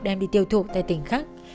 đem đi tiêu thụ tại tỉnh khác